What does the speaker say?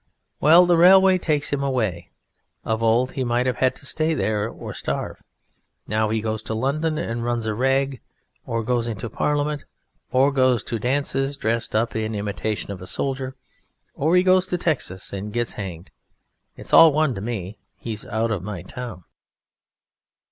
well, the railway takes him away. Of old he might have had to stay there or starve, now he goes to London and runs a rag, or goes into Parliament, or goes to dances dressed up in imitation of a soldier; or he goes to Texas and gets hanged it's all one to me. He's out of my town.